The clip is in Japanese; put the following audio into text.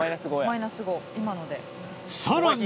さらに